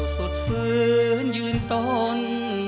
สุดฟื้นยืนต้น